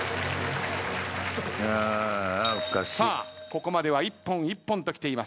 さあここまでは一本一本ときています。